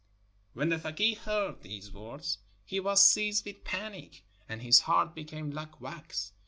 '" When the fakeeh heard these words, he was seized with panic, and his heart became Hke wax.